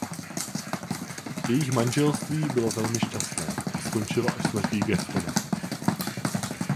Jejich manželství bylo velmi šťastné a skončilo až smrtí Gastona.